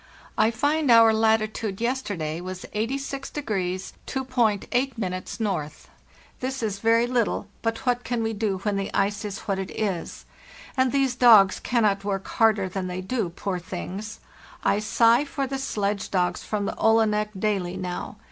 I find our latitude yesterday was 86° 2.8' N. This is very little, but what can we do when the ice is what it is? And these dogs cannot work harder than they do, poor things. I sigh for the sledge dogs from the Olenek daily now.